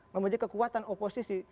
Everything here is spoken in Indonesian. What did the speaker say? memuji kekuatan oposisi